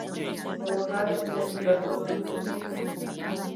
Murray se casó dos veces.